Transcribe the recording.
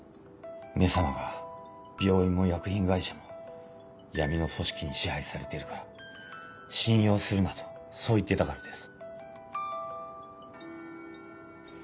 め様が「病院も薬品会社も闇の組織に支配されてるから信用するな」とそう言っていたからです。